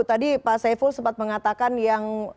tadi pak saiful sempat mengatakan yang